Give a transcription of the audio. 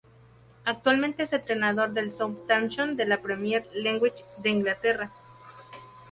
Actualmente es entrenador del Southampton de la Premier League de Inglaterra.